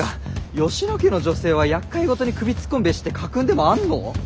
吉野家の女性は「やっかいごとに首突っ込むべし」って家訓でもあんの？